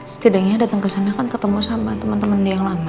setidaknya dateng kesana kan ketemu sama temen temennya yang lama